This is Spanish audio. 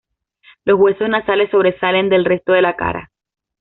Los huesos nasales sobresalen del resto de la cara.